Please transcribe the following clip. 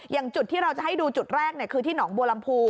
อย่างจุดที่เราจะให้ดูจุดแรกคือที่หนองบัวลำพู